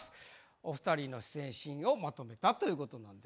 お２人の出演シーンをまとめたということなんで。